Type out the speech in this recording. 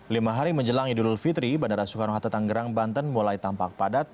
lima hari menjelang idul fitri bandara soekarno hatta tanggerang banten mulai tampak padat